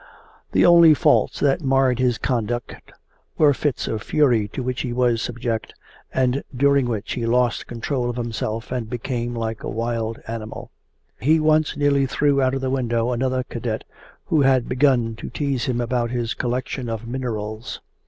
The only faults that marred his conduct were fits of fury to which he was subject and during which he lost control of himself and became like a wild animal. He once nearly threw out of the window another cadet who had begun to tease him about his collection of minerals.